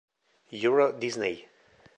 Euro Disney